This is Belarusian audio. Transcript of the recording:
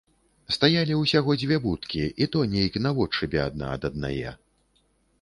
Стаялі ўсяго дзве будкі, і то нейк наводшыбе адна ад аднае.